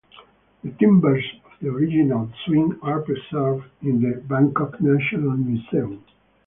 The timbers of the original swing are preserved in the Bangkok National Museum.